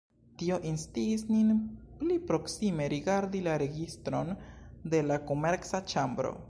Tio instigis nin pli proksime rigardi la registron de la Komerca ĉambro.